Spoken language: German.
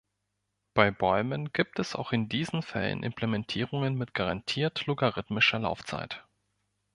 Bei Bäumen gibt es auch in diesen Fällen Implementierungen mit garantiert logarithmischer Laufzeit.